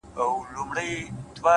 سوخ خوان سترگو كي بيده ښكاري،